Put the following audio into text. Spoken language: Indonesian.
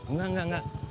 enggak enggak enggak